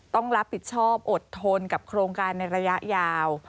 ต้องรับผิดชอบอดทนกับโครงการในระยะยาว